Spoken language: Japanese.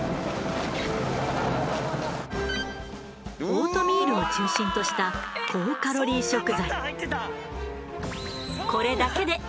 オートミールを中心とした高カロリー食材。